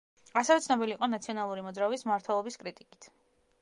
ასევე ცნობილი იყო ნაციონალური მოძრაობის მმართველობის კრიტიკით.